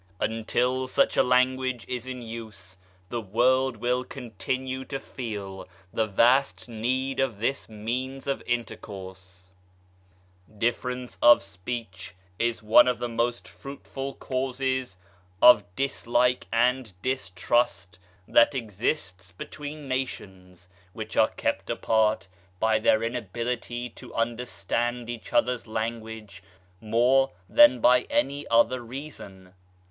Until such a language is in use, the world will continue to feel the vast need of this means of intercourse. Difference of speech is one of the most fruitful causes K 146 RELIGION AND POLITICS of dislike and distrust that exists between nations, which are kept apart by their inability to understand each other's language more than by any other reason.